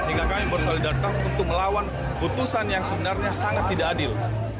sehingga kami bersolidaritas untuk melawan putusan yang sebenarnya sangat tidak adil